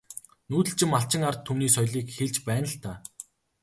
Нүүдэлчин малчин ард түмний соёлыг хэлж байна л даа.